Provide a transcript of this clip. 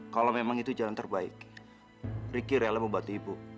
kalau memang itu jalan terbaik ricky rela membantu ibu